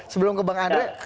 sebelum ke bang andre